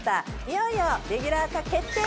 いよいよレギュラー化決定！